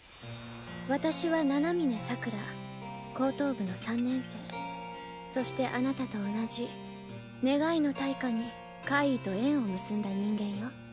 私は七峰桜高等部の３年生そしてあなたと同じ願いの対価に怪異と縁を結んだ人間よ